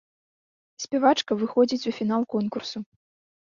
Спявачка выходзіць у фінал конкурсу.